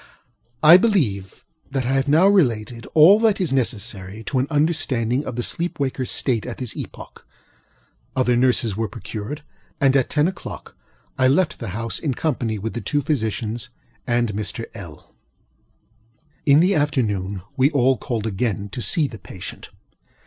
I believe that I have now related all that is necessary to an understanding of the sleep wakerŌĆÖs state at this epoch. Other nurses were procured; and at ten oŌĆÖclock I left the house in company with the two physicians and Mr. LŌĆöl. In the afternoon we all called again to see the patient.